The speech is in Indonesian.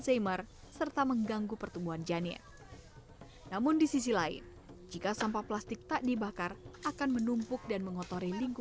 maka sebenarnya khususnya kalau ada emas itu